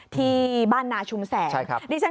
ที่บ้านนาชุมแสงนี่ฉันคิดว่าใช่ครับ